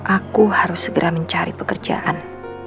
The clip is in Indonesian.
aku harus segera mencari pekerjaan